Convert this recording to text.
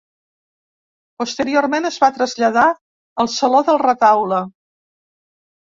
Posteriorment es va traslladar al Saló del Retaule.